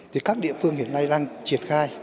thì các địa phương hiện nay đang triển khai